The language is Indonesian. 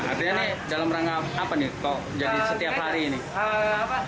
artinya ini dalam rangka apa nih